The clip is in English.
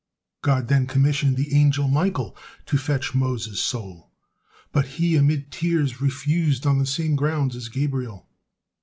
God then commissioned the angel Michael to fetch Moses' soul, but he amid tears refused on the same grounds as Gabriel.